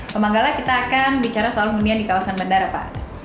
ke manggala kita akan bicara soal hunian di kawasan bandara pak